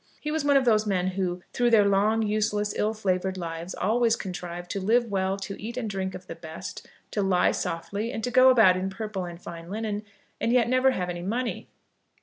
He was one of those men who, through their long, useless, ill flavoured lives, always contrive to live well, to eat and drink of the best, to lie softly, and to go about in purple and fine linen, and yet, never have any money.